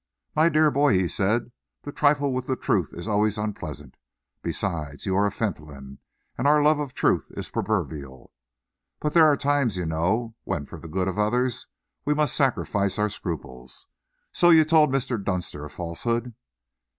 "My dear boy," he said, "to trifle with the truth is always unpleasant. Besides, you are a Fentolin, and our love of truth is proverbial. But there are times, you know, when for the good of others we must sacrifice our scruples. So you told Mr. Dunster a falsehood."